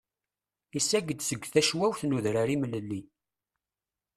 Isagg-d seg tecwawt n udrar imlilli.